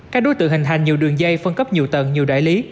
các đối tượng hình thành nhiều đường dây phân cấp nhiều tầng nhiều đại lý